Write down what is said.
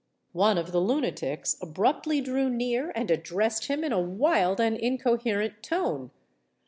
One of the lunatics abruptly drew near and addressed him in a wild and incoherent tone.